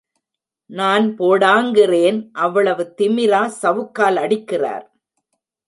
நான் போடாங்கிறேன் அவ்வளவு திமிரா சவுக்கால் அடிக்கிறார்.